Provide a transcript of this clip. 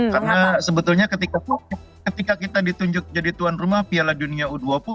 karena sebetulnya ketika kita ditunjuk jadi tuan rumah piala dunia u dua puluh